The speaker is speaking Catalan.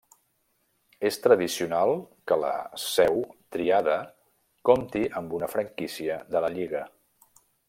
És tradicional que la seu triada compti amb una franquícia de la lliga.